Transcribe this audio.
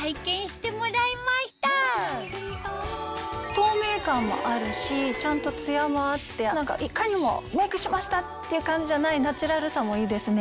透明感もあるしちゃんとツヤもあっていかにもメイクしましたっていう感じじゃないナチュラルさもいいですね。